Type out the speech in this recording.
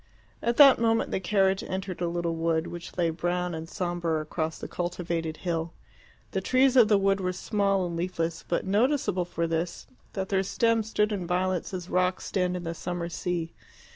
At that moment the carriage entered a little wood, which lay brown and sombre across the cultivated hill. The trees of the wood were small and leafless, but noticeable for this that their stems stood in violets as rocks stand in the summer sea.